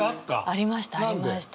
ありました。